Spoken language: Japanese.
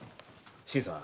新さん。